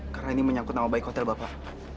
karena ini menyangkut nama baik hotel bapak